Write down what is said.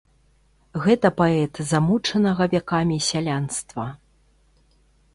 Гэта паэт замучанага вякамі сялянства.